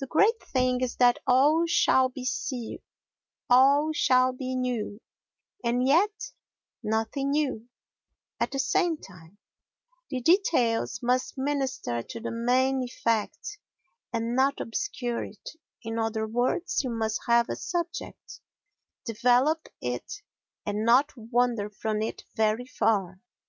The great thing is that all shall be new, and yet nothing new, at the same time; the details must minister to the main effect and not obscure it; in other words, you must have a subject, develop it and not wander from it very far.